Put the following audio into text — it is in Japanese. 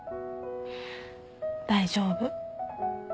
大丈夫。